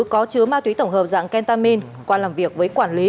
có chứa ma túy tổng hợp dạng kentamin qua làm việc với quản lý